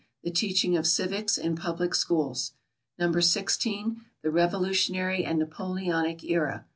The Teaching of Civics in Public Schools. No. 16. The Revolutionary and Napoleonic Era.